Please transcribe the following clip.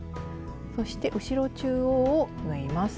そして後ろ中央を縫います。